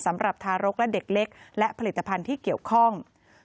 สำหรับทารกและเด็กเล็กและผลิตภัณฑ์ที่เกี่ยวข้อง